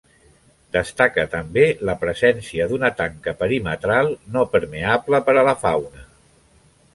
Destaca també la presència d'una tanca perimetral no permeable per a la fauna.